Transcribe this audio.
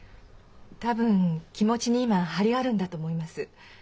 多分気持ちに今張りがあるんだと思います。